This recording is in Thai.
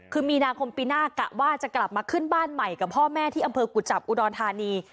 คือมีนาคมปีหน้ากะว่าจะกลับมาขึ้นบ้านใหม่กับพ่อแม่ที่อำเภอกุจจับอุดรธานี